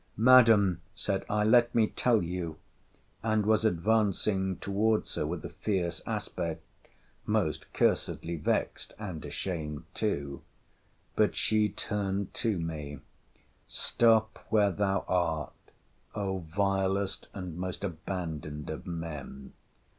Madam, said I, let me tell you; and was advancing towards her with a fierce aspect, most cursedly vexed, and ashamed too—— But she turned to me: 'Stop where thou art, O vilest and most abandoned of men!